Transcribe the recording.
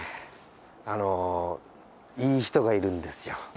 あのいい人がいるんですよ。